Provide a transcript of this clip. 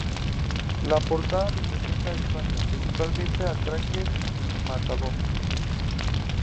La portada representa a España, principalmente al traje del matador.